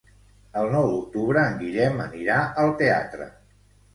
El nou d'octubre en Guillem anirà al teatre.